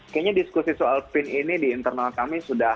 kayaknya diskusi soal pin ini di internal kami sudah